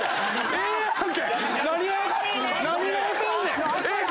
ええやんけ！